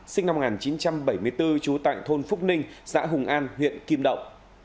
sinh năm một nghìn chín trăm bảy mươi bốn trú tại thôn phúc ninh xã hùng an huyện kim động